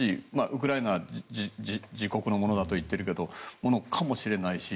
ウクライナは自国のものだと言っているけどそうかもしれないし。